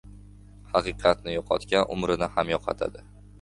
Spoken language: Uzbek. • Haqiqatni yo‘qotgan umrini ham yo‘qotadi.